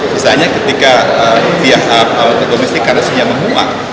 misalnya ketika pihak awal teknologi kandasnya memuat